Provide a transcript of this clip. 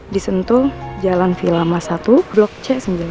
di sentul jalan vila mas satu blok c sembilan